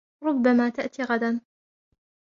ربما تأتي غدًا.